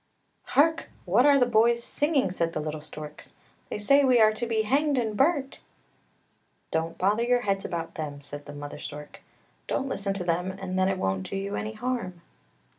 " Hark! what are the boys singing? " said the little storks; " they say we are to be hanged and burnt! "" Don't bother your heads about them! " said the}" mother stork; " don't listen to them and then it won't do you any harm."